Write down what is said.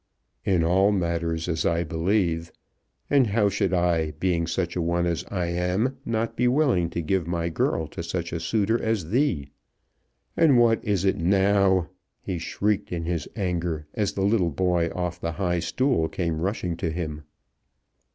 "In all matters as I believe; and how should I, being such a one as I am, not be willing to give my girl to such a suitor as thee? And what is it now?" he shrieked in his anger, as the little boy off the high stool came rushing to him.